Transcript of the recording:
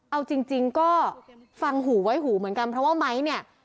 เอาจริงก็ฟังหูไว้หูเหมือนกันเพราะว่าไม้เนี่ย